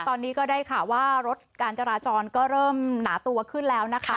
ตอนนี้ก็ได้ข่าวว่ารถการจราจรก็เริ่มหนาตัวขึ้นแล้วนะคะ